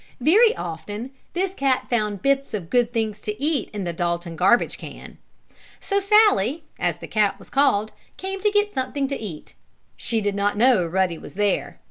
Very often this cat found bits of good things to eat in the Dalton garbage can. So Sallie, as the cat was called, came to get something to eat. She did not know Ruddy was there.